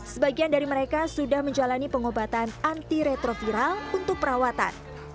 sebagian dari mereka sudah menjalani pengobatan anti retroviral untuk perawatan